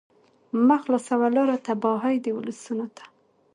مه خلاصوه لاره تباهۍ د ولسونو ته